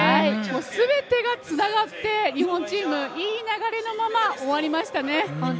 すべてがつながって日本チームいい流れのまま終わりましたね。